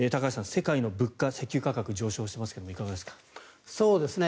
世界の物価、石油価格が上昇していますがいかがでしょうか。